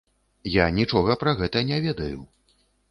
Я нічога пра гэта не ведаю.